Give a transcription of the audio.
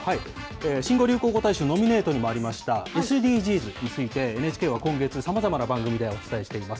新語・流行語大賞ノミネートにもありました、ＳＤＧｓについて、ＮＨＫは今月、さまざまな番組でお伝えしています。